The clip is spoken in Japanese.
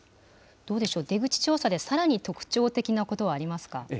どうでしょう、出口調査でさらに特徴的なことはありますか。